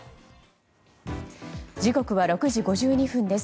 時刻は６時５２分です。